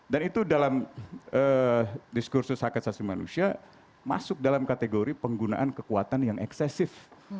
dan itu dalam diskursus hakikat saswi manusia masuk dalam kategori penggunaan kekuatan yang eksesif